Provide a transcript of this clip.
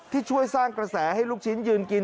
ที่ช่วยสร้างกระแสให้ลูกชิ้นยืนกิน